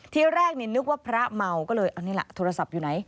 ที่แรกนึกว่าพระเมาก็เลยเอานี่แหละโทรศัพท์อยู่ไหน